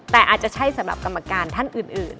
แต่อาจจะใช่สำหรับกรรมการท่านอื่น